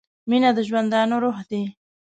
• مینه د ژوندانه روح دی.